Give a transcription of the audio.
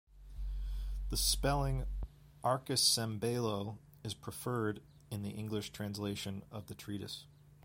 The spelling 'archicembalo' is preferred in the English translation of the treatise.